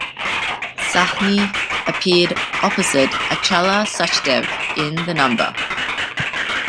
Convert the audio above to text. Sahni appeared opposite Achala Sachdev in the number.